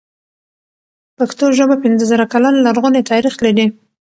پښتو ژبه پنځه زره کلن لرغونی تاريخ لري.